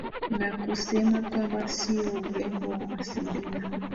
na kusema kwamba sio urembo wa asilia